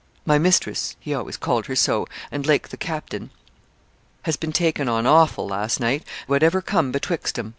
'My mistress' he always called her so, and Lake the capting 'has been takin' on hoffle, last night, whatever come betwixt 'em.